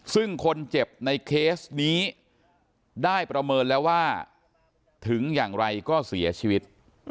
ซึ่งคนเจ็บในเคสนี้ได้ประเมินแล้วว่าถึงอย่างไรก็เสียชีวิต